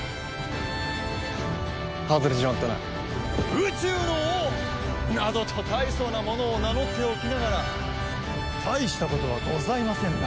宇宙の王などと大層なものを名乗っておきながら大したことはございませんな。